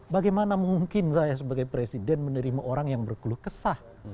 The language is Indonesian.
bagaimana mungkin saya sebagai presiden menerima orang yang berkeluh kesah